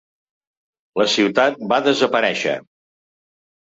La ciutat va desaparèixer.